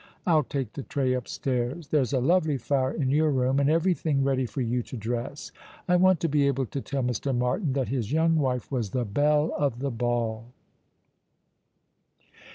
I'll take the tray upstairs. There's a lovely fire in your room, and everything ready for you to drcs?. I want to be able to tell Mr. Martin that his young wife was the belle of the ball."